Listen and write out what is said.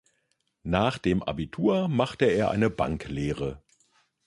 Nach dem Abitur machte er eine Banklehre.